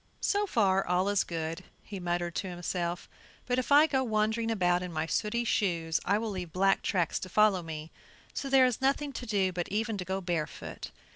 "So far all is good," he muttered to himself, "but if I go wandering about in my sooty shoes I will leave black tracks to follow me, so there is nothing to do but e'en to go barefoot."